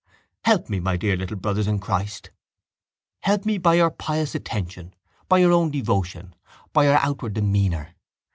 —Help me, my dear little brothers in Christ. Help me by your pious attention, by your own devotion, by your outward demeanour.